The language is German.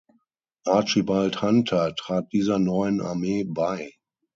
Archibald Hunter trat dieser neuen Armee bei.